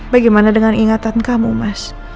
bagaimana dengan ingatan kamu mas